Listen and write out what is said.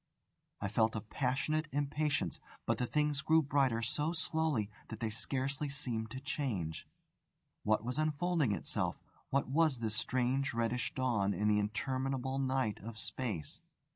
I felt a passionate impatience; but the things grew brighter so slowly that they scarce seemed to change. What was unfolding itself? What was this strange reddish dawn in the interminable night of space?